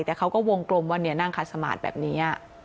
แต่เขาก็วงกลมว่านั่งขัดสมาธิแบบนี้